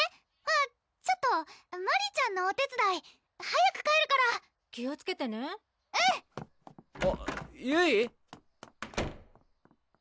あっちょっとマリちゃんのお手つだい早く帰るから気をつけてねうんあっゆい！